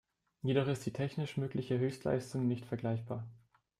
Jedoch ist die technisch mögliche Höchstleistung nicht vergleichbar.